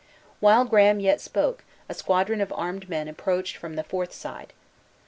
While Graham yet spoke, a squadron of armed men approached from the Forth side.